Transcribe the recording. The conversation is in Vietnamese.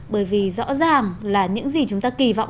bởi vì rõ ràng là những gì chúng ta kỳ vọng